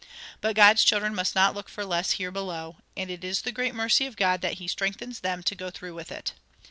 But God's children must not look for less here below, and it is the great mercy of God that he strengthens them to go through with it.